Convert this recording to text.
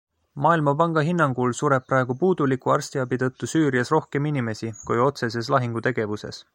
Maailmapanga hinnangul sureb praegu puuduliku arstiabi tõttu Süürias rohkem inimesi, kui otseses lahingutegevuses.